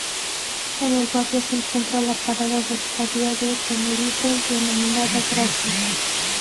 En el barrio se encuentra la parada del Tranvía de Tenerife denominada Gracia.